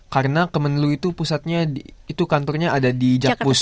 karena kemenlu itu pusatnya itu kantornya ada di jakpus